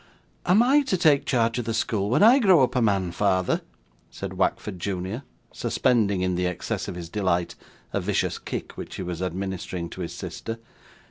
'Am I to take care of the school when I grow up a man, father?' said Wackford junior, suspending, in the excess of his delight, a vicious kick which he was administering to his sister.